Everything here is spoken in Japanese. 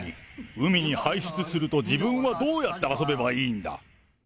海に排出すると、自分はどうやって遊べばいいんだ。